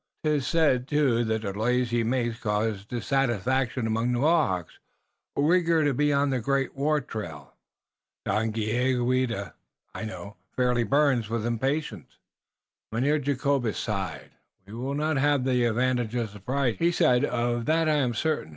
'Tis said, too, that the delays he makes cause dissatisfaction among the Mohawks, who are eager to be on the great war trail. Daganoweda, I know, fairly burns with impatience." Mynheer Jacobus sighed. "We will not haf the advantage of surprise," he said. "Of that I am certain.